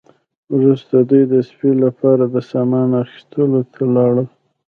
وروسته دوی د سپي لپاره د سامان اخیستلو ته لاړل